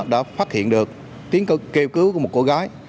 đã phát hiện được tiếng cực kêu cứu của một cô gái